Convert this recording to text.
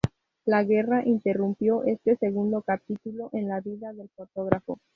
La guerra interrumpió este segundo capítulo en la vida del fotógrafo.